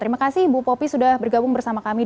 terima kasih ibu popi sudah bergabung bersama kami